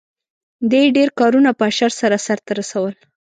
دې ډېر کارونه په اشر سره سرته رسول.